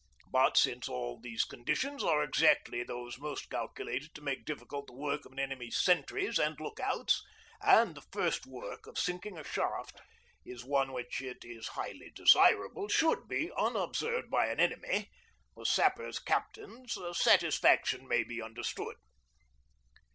But, since all these conditions are exactly those most calculated to make difficult the work of an enemy's sentries and look outs, and the first work of sinking a shaft is one which it is highly desirable should be unobserved by an enemy, the Sapper Captain's satisfaction may be understood.